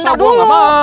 ya bentar dulu